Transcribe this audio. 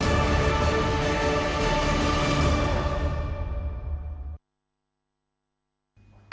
cầu kênh sáng dọc